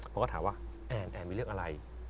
พวกเขาถามว่าแอนมีเรื่องอะไร